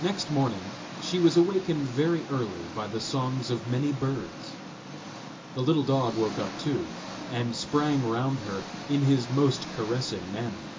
Next morning she was awakened very early by the songs of many birds. The little dog woke up too, and sprang round her in his most caressing manner.